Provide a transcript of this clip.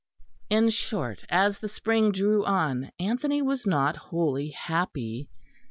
In short, as the spring drew on, Anthony was not wholly happy.